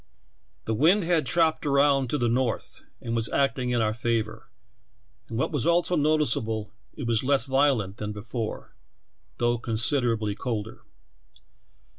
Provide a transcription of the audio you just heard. The wind had chopped round to the north and was acting in our favor, and, what was also noticeable, it was less violent than before, though considerably colder.